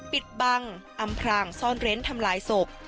ปิดบังอำพรางซ่อนเร้นทำลายศพ